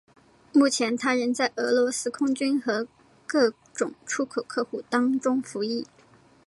目前它仍在俄罗斯空军和各种出口客户当中服役。